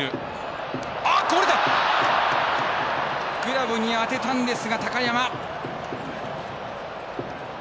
グラブに当てたんですが高山。